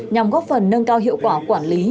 nhằm góp phần nâng cao hiệu quả quản lý